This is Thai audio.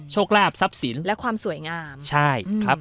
โชคลาบทรัพย์สินและความสวยงาม